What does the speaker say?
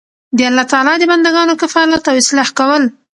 د الله تعالی د بندګانو کفالت او اصلاح کول